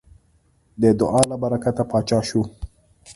د دعا له برکته پاچا شو.